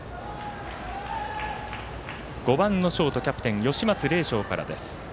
５番のショート、キャプテン吉松礼翔からです。